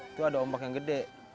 itu ada ombak yang gede